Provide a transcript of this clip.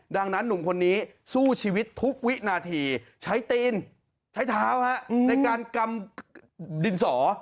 ดังนั้นหนุ่มคนนี้สู้ชีวิตทุกวินาทีใช้ตีนใช้เท้าในการกำดินสอ